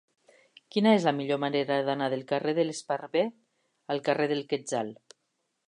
Quina és la millor manera d'anar del carrer de l'Esparver al carrer del Quetzal?